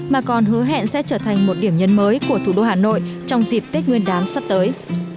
mà còn hứa hẹn sẽ trở thành một điểm nhấn mới của thủ đô hà nội trong dịp tết nguyên đán sắp tới